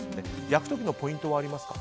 焼く時のポイントはありますか？